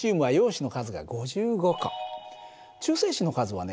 中性子の数はね